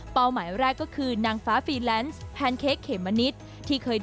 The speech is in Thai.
เป้าหมายแรกก็คือนางฟ้าฟีแลนซ์แฮนเค้กเขมมณิสที่เคยด่มดังมาจากวิกหมอชิด